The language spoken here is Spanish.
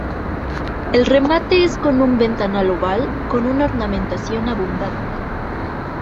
El remate es con un ventanal oval con una ornamentación abundante.